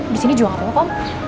disini jual apa kok om